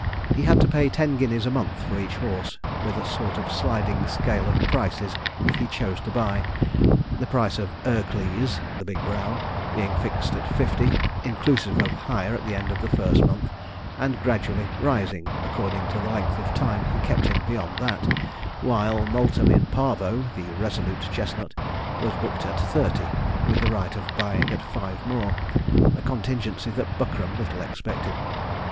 He had to pay ten guineas a month for each horse, with a sort of sliding scale of prices if he chose to buy the price of 'Ercles' (the big brown) being fixed at fifty, inclusive of hire at the end of the first month, and gradually rising according to the length of time he kept him beyond that; while, 'Multum in Parvo,' the resolute chestnut, was booked at thirty, with the right of buying at five more, a contingency that Buckram little expected.